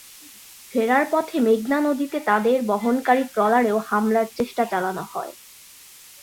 ফেরার পথে মেঘনা নদীতে তাঁদের বহনকারী ট্রলারেও হামলার চেষ্টা চালানো হয়।